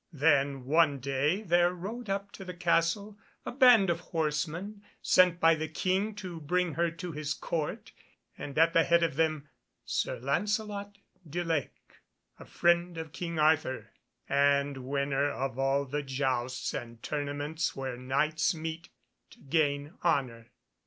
Then one day there rode up to the Castle a band of horsemen sent by the King to bring her to his Court, and at the head of them Sir Lancelot du Lake, friend of King Arthur, and winner of all the jousts and tournaments where Knights meet to gain honour.